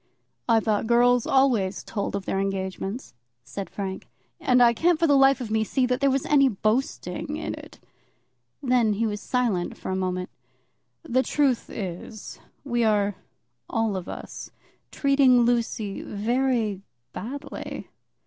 "I thought girls always told of their engagements," said Frank, "and I can't for the life of me see that there was any boasting in it." Then he was silent for a moment. "The truth is, we are, all of us, treating Lucy very badly."